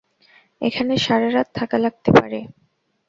এখানে সারারাত থাকা লাগতে পারে।